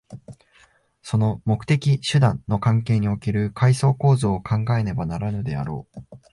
その目的・手段の関係における階層構造を考えねばならぬであろう。